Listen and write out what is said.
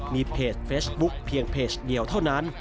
มีเพจเฟซบุ๊คเพียงเพจเดียวเท่านั้น